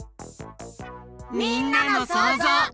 みんなのそうぞう。